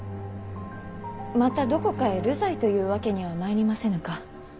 またどこかへ流罪というわけにはまいりませぬか。